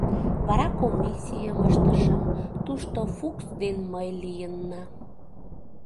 Вара комиссийым ыштышым: тушто Фукс ден мый лийынна.